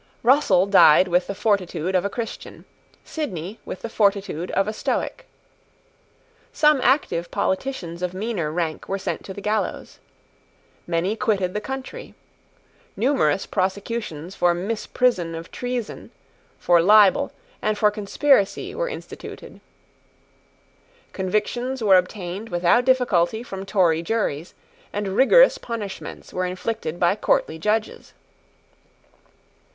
Russell died with the fortitude of a Christian, Sidney with the fortitude of a Stoic. Some active politicians of meaner rank were sent to the gallows. Many quitted the country. Numerous prosecutions for misprision of treason, for libel, and for conspiracy were instituted. Convictions were obtained without difficulty from Tory juries, and rigorous punishments were inflicted by courtly judges.